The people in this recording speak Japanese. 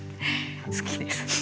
好きです。